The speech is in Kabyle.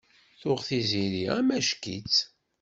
Tuɣ Tiziri amack-itt.